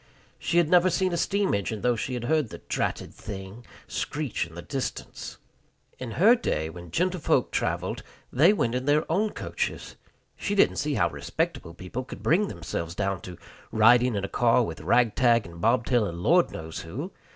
She had never seen a steam engine, though she had heard "the dratted thing" screech in the distance. In her day, when gentlefolk traveled, they went in their own coaches. She didn't see how respectable people could bring themselves down to "riding in a car with rag tag and bobtail and Lord knows who."